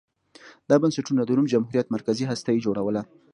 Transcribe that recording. دا بنسټونه د روم جمهوریت مرکزي هسته یې جوړوله